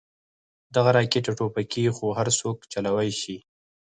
دغه راكټ او ټوپكې خو هرسوك چلوې شي.